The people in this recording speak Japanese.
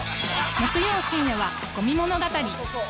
木曜深夜は『ごみ物語』